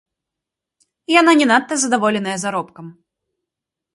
Яна не надта задаволеная заробкам.